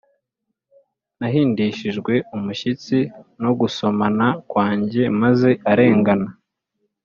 nahindishijwe umushyitsi no gusomana kwanjye, maze arengana -